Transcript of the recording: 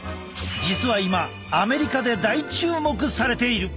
実は今アメリカで大注目されている。